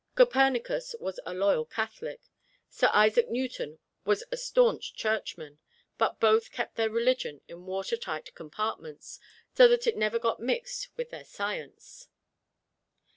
Copernicus was a loyal Catholic; Sir Isaac Newton was a staunch Churchman; but both kept their religion in water tight compartments, so that it never got mixed with their science.